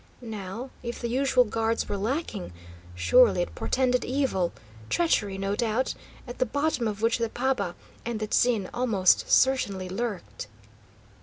Now, if the usual guards were lacking, surely it portended evil, treachery, no doubt, at the bottom of which the paba and the 'Tzin almost certainly lurked.